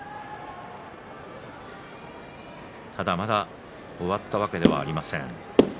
ただ、まだ終わったわけではありません。